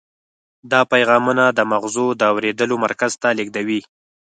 دا پیغامونه د مغزو د اورېدلو مرکز ته لیږدوي.